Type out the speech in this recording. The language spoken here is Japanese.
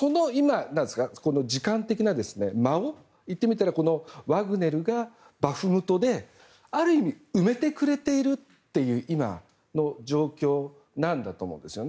時間的な間を言ってみたら、ワグネルがバフムトで、ある意味埋めてくれているという今の状況なんだと思うんですよね。